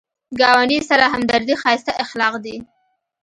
ګاونډي سره همدردي ښایسته اخلاق دي